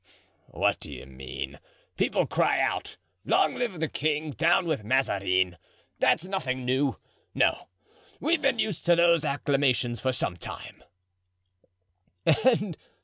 "What do you mean? People cry out, 'Long live the king! down with Mazarin!' That's nothing new; no, we've been used to those acclamations for some time."